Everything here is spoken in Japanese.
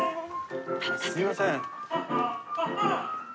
すいません。